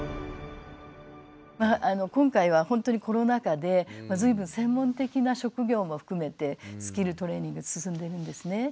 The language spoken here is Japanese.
まあ今回はほんとにコロナ禍で随分専門的な職業も含めてスキルトレーニング進んでいるんですね。